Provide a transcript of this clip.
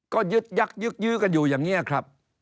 ก็ยึดยักยึกยื้อกันอยู่อย่างนี้ครับ